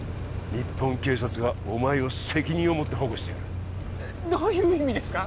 日本警察がお前を責任を持って保護してやるどういう意味ですか？